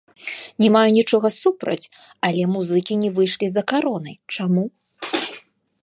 Не маю нічога супраць, але музыкі не выйшлі за каронай, чаму?